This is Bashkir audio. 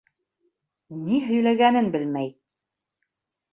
Ни һөйләгәнен белмәй!